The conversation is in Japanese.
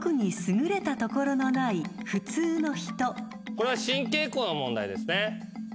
これは新傾向の問題ですね。